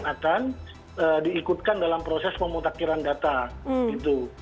mereka akan diikutkan dalam proses pemutakiran data gitu